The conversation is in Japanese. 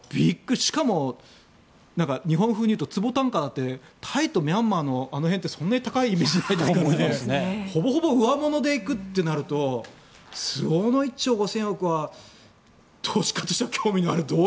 しかも日本風に言うと坪単価だってタイとミャンマーのあの辺ってそんなに高いイメージがないですからほぼほぼ上物で行くとなると１兆５０００億円は投資家としては興味がある。